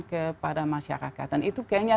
kepada masyarakat dan itu kayaknya